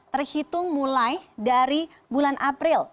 terhitung mulai dari bulan april